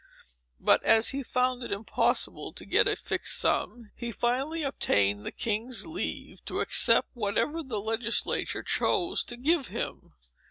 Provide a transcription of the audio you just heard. But, as he found it impossible to get a fixed sum, he finally obtained the king's leave to accept whatever the legislature chose to give him.